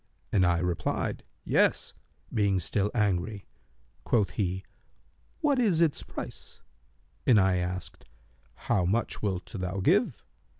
and I replied, 'Yes,' being still angry. Quoth he, 'What is its price?' And I asked, 'How much wilt thou give?'